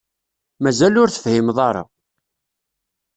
Mazal ur tefhimeḍ ara.